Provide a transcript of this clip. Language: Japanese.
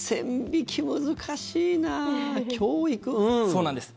そうなんです。